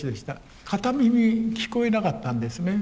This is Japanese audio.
片耳聞こえなかったんですね。